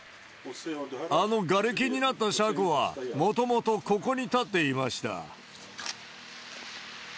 あのがれきになった車庫は、もともとここに建っていました。